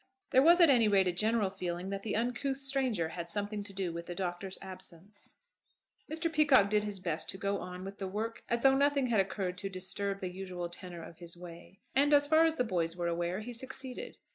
There was at any rate a general feeling that the uncouth stranger had something to do with the Doctor's absence. Mr. Peacocke did his best to go on with the work as though nothing had occurred to disturb the usual tenor of his way, and as far as the boys were aware he succeeded.